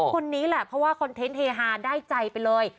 คนนี้แหละเพราะว่าคอนเทนต์เฮฮาได้ใจไปเลย